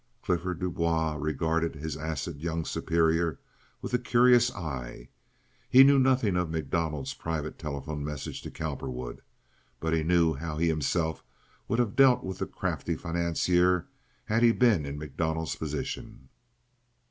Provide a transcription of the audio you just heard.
Clifford Du Bois regarded his acid young superior with a curious eye. He knew nothing of MacDonald's private telephone message to Cowperwood; but he knew how he himself would have dealt with the crafty financier had he been in MacDonald's position.